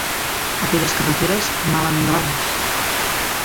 Aquelles carreteres mal engravades